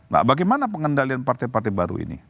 nah bagaimana pengendalian partai partai baru ini